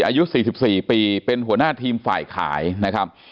อายุสี่สิบสี่ปีเป็นหัวหน้าทีมฝ่ายขายนะครับ